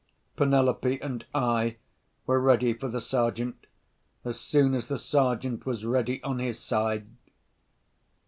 Penelope and I were ready for the Sergeant, as soon as the Sergeant was ready on his side.